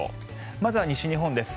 まずは西日本です。